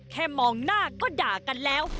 มองหน้าก็ด่ากันแล้ว